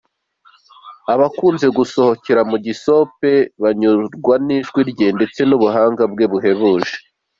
Abakunze gusohokera mu gisope banyurwa n’ijwi rye ndetse n’ubuhanga bwe buhebuje.